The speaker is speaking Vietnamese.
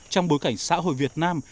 trong bối cảnh xã hội việt nam